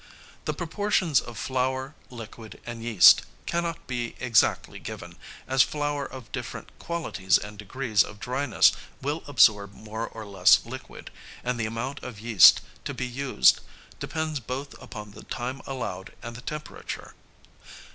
] The proportions of flour, liquid, and yeast cannot be exactly given, as flour of different qualities and degrees of dryness will absorb more or less liquid, and the amount of yeast to be used depends both upon the time allowed and the temperature.